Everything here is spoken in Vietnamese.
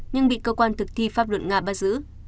nhưng bị cơ quan thực thi pháp luật nga bắt giữ